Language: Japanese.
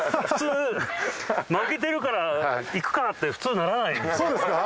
普通負けてるからいくかって普通ならないです。